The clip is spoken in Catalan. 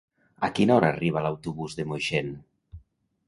A quina hora arriba l'autobús de Moixent?